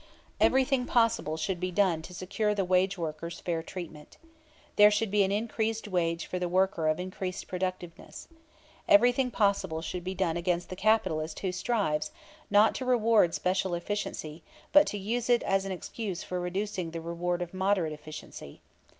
Everything possible should be done to secure the wage workers fair treatment. There should be an increased wage for the worker of increased productiveness. Everything possible should be done against the capitalist who strives, not to reward special efficiency, but to use it as an excuse for reducing the reward of moderate efficiency.